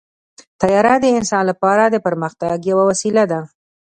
طیاره د انسان لپاره د پرمختګ یوه وسیله ده.